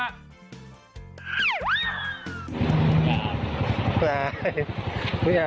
ชั้นไม่เอา